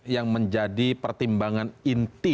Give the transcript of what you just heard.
yang menjadi pertimbangan inti